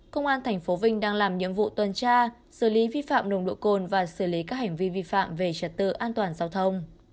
công an tp vinh đang làm nhiệm vụ tuần tra xử lý vi phạm nồng độ cồn và xử lý các hành vi vi phạm về trật tự an toàn giao thông